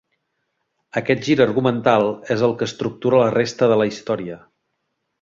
Aquest gir argumental és el que estructura la resta de la història.